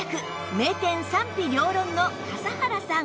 名店賛否両論の笠原さん